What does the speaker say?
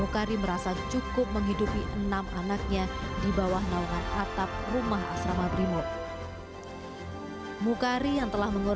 kemudian juga bekerja sama